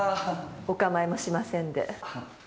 お構いもしませんで。